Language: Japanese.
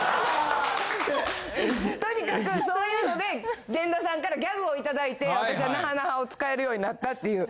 とにかくそういうのでせんださんからギャグを頂いて私は「ナハナハ」を使えるようになったっていう。